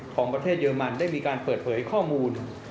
ของประเทศเยอรมันได้มีการเปิดเผยข้อมูล